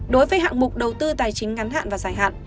đối với hạng mục đầu tư tài chính ngắn hạn và dài hạn